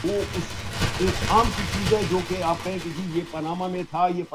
جدید تکنیکوں کا وسیع استعمال کِیا